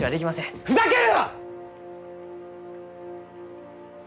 ふざけるな！